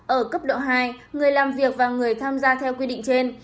ở cấp độ hai người làm việc và người tham gia theo quy định trên